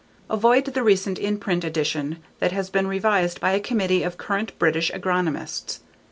Avoid the recent in print edition that has been revised by a committee of current British agronomists.